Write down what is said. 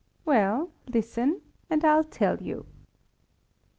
Well, listen! and I'll tell you.